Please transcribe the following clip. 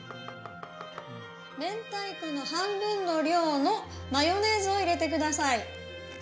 明太子の半分の量のマヨネーズを入れてください。